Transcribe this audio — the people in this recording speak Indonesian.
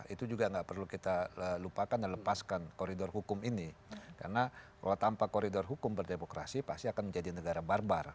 itu juga nggak perlu kita lupakan dan lepaskan koridor hukum ini karena kalau tanpa koridor hukum berdemokrasi pasti akan menjadi negara barbar